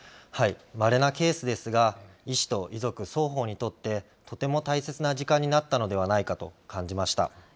まれなケースですが、医師と遺族双方にとって、とても大切な時間になったのではないかと感じました。